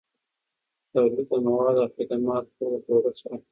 تولید د موادو او خدماتو جوړښت دی.